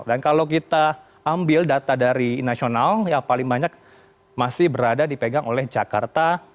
dan kalau kita ambil data dari nasional yang paling banyak masih berada dipegang oleh jakarta